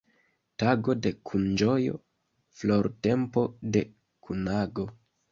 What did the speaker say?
Tago de kunĝojo, flortempo de kunago.